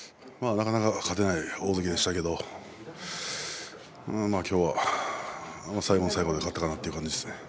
なかなか勝てない大関でしたけど、きょうは最後の最後で勝ったかなという感じです。